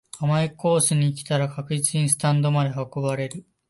甘いコースに来たら確実にスタンドまで運ばれる